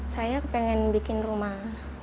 saya ingin membuat rumah